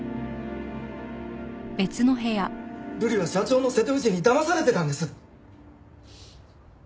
ルリは社長の瀬戸口にだまされてたんです！